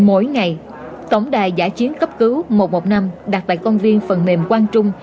mỗi ngày tổng đài giả chiến cấp cứu một trăm một mươi năm đặt tại công viên phần mềm quang trung